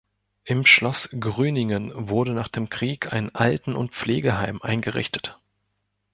Im Schloss Grüningen wurde nach dem Krieg ein Alten- und Pflegeheim eingerichtet.